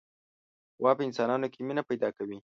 غوا په انسانانو کې مینه پیدا کوي.